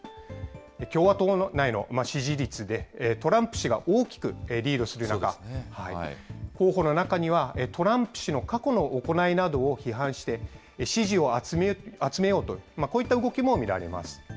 共和党内の支持率で、トランプ氏が大きくリードする中、候補の中にはトランプ氏の過去の行いなどを批判して、支持を集めようと、こういった動きも見られます。